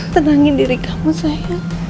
tenangin diri kamu sayang